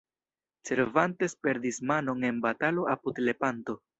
Cervantes perdis manon en batalo apud Lepanto.